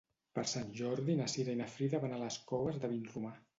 Per Sant Jordi na Cira i na Frida van a les Coves de Vinromà.